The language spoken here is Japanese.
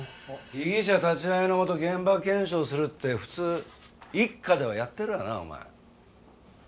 被疑者立ち会いのもと現場検証をするって普通一課ではやってるがなお前。